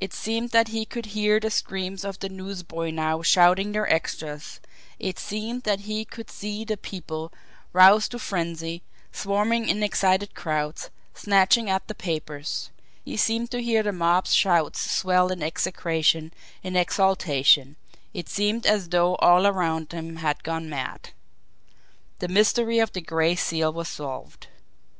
It seemed that he could hear the screams of the newsboys now shouting their extras; it seemed that he could see the people, roused to frenzy, swarming in excited crowds, snatching at the papers; he seemed to hear the mob's shouts swell in execration, in exultation it seemed as though all around him had gone mad. The mystery of the Gray Seal was solved!